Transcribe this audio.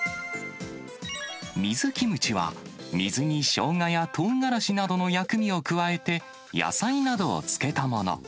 水キムチは、水にしょうがやとうがらしなどの薬味を加えて、野菜などを漬けたもの。